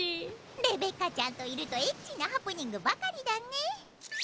レベッカちゃんといるとエッチなハプニングばかりだね。